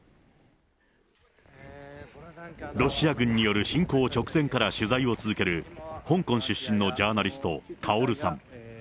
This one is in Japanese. ロシア軍による侵攻直前から取材を続ける、香港出身のジャーナリスト、カオルさん。